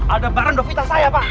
ada barang devita saya pak